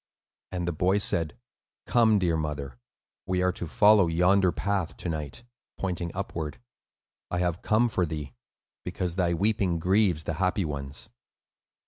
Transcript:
And the boy said, "Come, dear mother; we are to follow yonder path to night," pointing upward. "I have come for thee, because thy weeping grieves the happy ones."